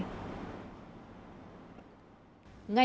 công an quảng ngãi